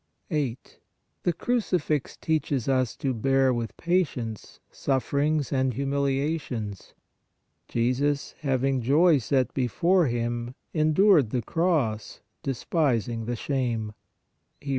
The Crucifix teaches us to bear with patience sufferings and humiliations :" Jesus, having joy set before Him, endured the cross, despising the shame" (Hebr.